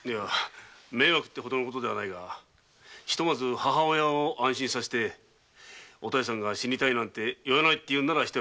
迷惑というほどのことはないがひとまず母親を安心させてお妙さんが死にたいなんて言わないなら一役買おう。